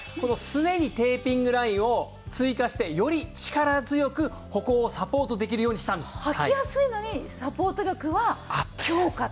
すねにテーピングラインを追加してより力強く歩行をサポートできるようにしたんです。はきやすいのにサポート力は強化っていう？